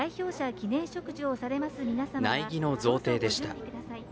苗木の贈呈でした。